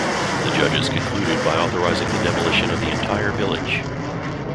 The judges concluded by authorizing the demolition of the entire village.